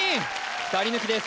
２人抜きです